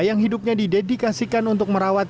yang hidupnya didedikasikan untuk merawat